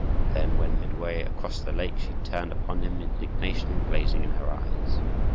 Then, when midway across the lake, she turned upon him, indignation blazing in her eyes.